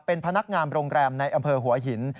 เป็นพนักงานโรงแรมในอำเภอหัวหิน